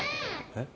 えっ？